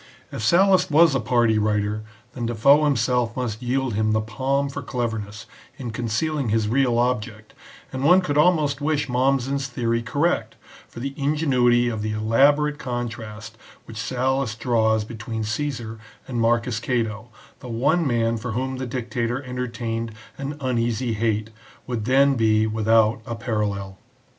If Sallust was a party writer, then Defoe himself must yield him the palm for cleverness in concealing his real object, and one could almost wish Mommsen's theory correct, for the ingenuity of the elaborate contrast which Sallust draws between Caesar and Marcus Cato, the one man for whom the dictator entertained an uneasy hate, Xll NOTE ON SALLUST. would then be without a parallel.